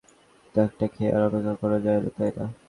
একটা খেয়ে আর অপেক্ষা করা যায় না, তাই না?